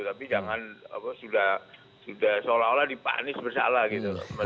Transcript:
tapi jangan sudah seolah olah dipanis bersalah gitu